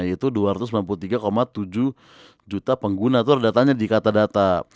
itu dua ratus sembilan puluh tiga tujuh juta pengguna tuh datanya di kata data